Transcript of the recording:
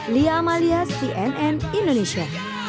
lia amalia cnn indonesia